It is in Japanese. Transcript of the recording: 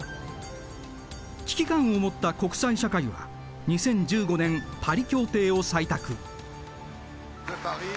危機感を持った国際社会は２０１５年パリ協定を採択。